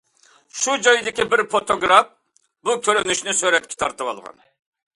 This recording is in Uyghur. شۇ جايدىكى بىر فوتوگراف بۇ كۆرۈنۈشنى سۈرەتكە تارتىۋالغان.